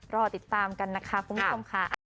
รอติดตามกันนะคะคุณผู้ชมค่ะ